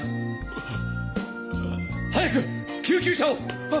あっ。